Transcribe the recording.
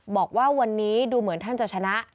บอกว่าวันนี้ดูเหมือนท่านจะชนะ